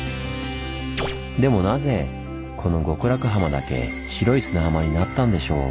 でもなぜこの極楽浜だけ白い砂浜になったんでしょう？